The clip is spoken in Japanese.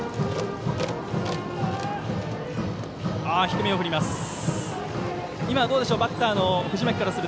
低めを振ります。